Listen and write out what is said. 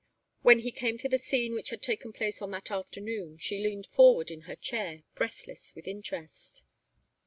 When he came to the scene which had taken place on that afternoon, she leaned forward in her chair, breathless with interest.